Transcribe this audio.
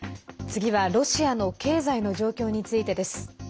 次はロシアの経済の状況についてです。